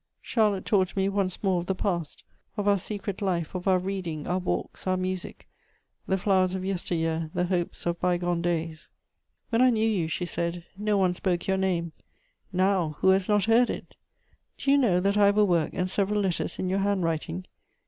Charlotte talked to me once more of the past, of our secret life, of our reading, our walks, our music, the flowers of yester year, the hopes of bygone days. "When I knew you," she said, "no one spoke your name; now, who has not heard it? Do you know that I have a work and several letters in your handwriting?